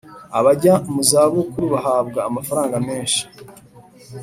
abajya mu zabukuru bahabwa amafaranga menshi